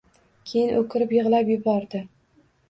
Keyin o‘kirib yig‘lab yubordi.